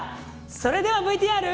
それではＶＴＲ。